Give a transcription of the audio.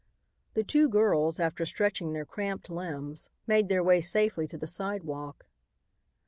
The two girls, after stretching their cramped limbs, made their way safely to the sidewalk.